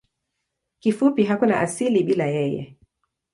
Kifupi hakuna asili bila yeye.